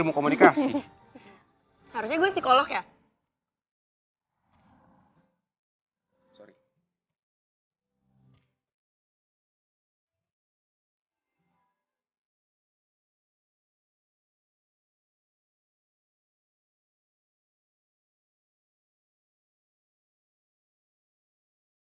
lo udah ngerti